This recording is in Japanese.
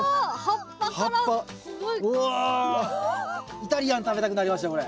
イタリアン食べたくなりましたこれ。